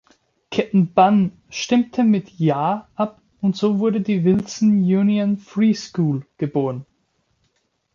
Captain Bunn stimmte mit „ja“ ab und so wurde die Wilson Union Free School geboren.